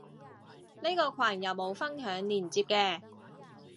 呢個羣有冇分享連接嘅？